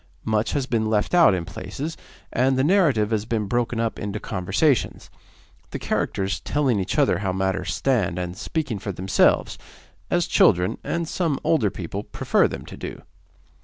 Much has been left out in places, and the narrative has been broken up into conversations, the characters telling each other how matters stand, and speaking for themselves, as children, and some older people, prefer them to do.